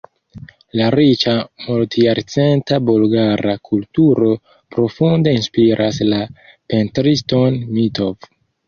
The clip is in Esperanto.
La riĉa multjarcenta bulgara kulturo profunde inspiras la pentriston Mitov.